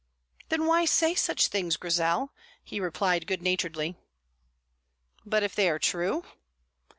"Then why say such things, Grizel?" he replied good naturedly. "But if they are true?"